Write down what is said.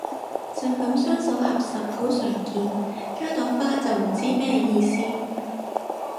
就噉雙手合十好常見，加朵花就唔知咩意思